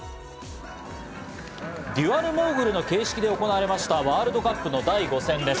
デュアルモーグルの形式で行われました、ワールドカップの第５戦です。